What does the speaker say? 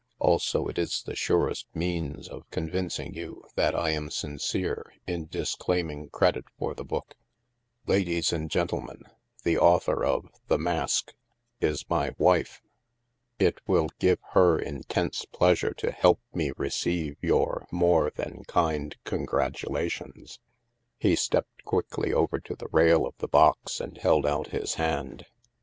Also, it is the surest means of convincing you that I am sincere in dis claiming credit for the book. Ladies and gentle man, the author of * The Mask ' is my wife. It will give her intense pleasure to help me receive your more than kind congratulations.'' He stepped quickly over to the rail of the box and held out his hand.